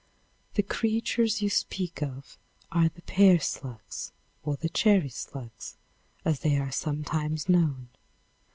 The creatures you speak of are the pear slugs, or the cherry slugs, as they are sometimes known.